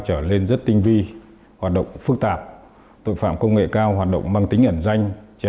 trở lên rất tinh vi hoạt động phức tạp tội phạm công nghệ cao hoạt động mang tính ẩn danh trên